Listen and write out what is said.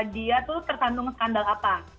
dia tuh tersandung skandal apa